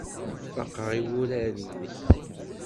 Faqeɣ i wurar-nnek.